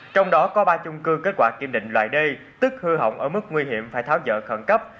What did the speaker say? trong đó có ba chung cư kết quả kiểm định loại d tức hư hỏng ở mức nguy hiểm phải tháo dỡ khẩn cấp